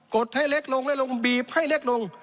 ดให้เล็กลงและลงบีบให้เล็กลง